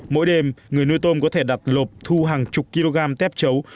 mỗi đêm người nuôi tôm có thể đặt lộp thu hàng chục kg tép chấu